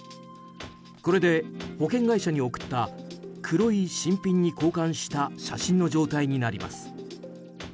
これで保険会社に送った黒い新品に交換した写真の状態になります。